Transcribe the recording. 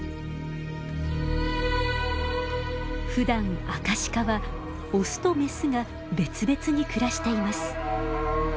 ふだんアカシカはオスとメスが別々に暮らしています。